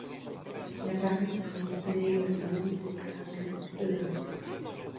L'appareil transmet également ses paramètres de langue.